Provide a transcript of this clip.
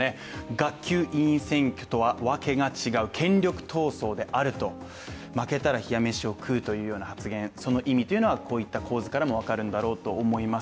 学級委員選挙とはわけが違う権力闘争であると負けたら冷や飯を食うというような発言、その意味というのはこういった構図からもわかるんだろうと思います